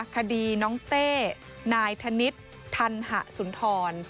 คดีน้องเต้นายธนิษฐ์ทันหะสุนทร